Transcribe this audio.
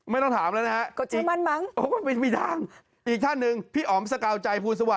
ไม่ต้องถามแล้วนะฮะ